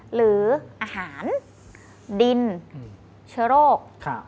หรืออาหารดินเชื้อโรค